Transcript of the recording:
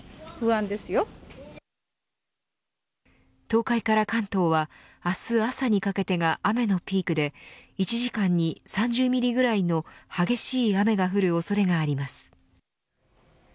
東海から関東は明日朝にかけてが雨のピークで１時間に３０ミリぐらいの激しい雨が降る恐れがあります。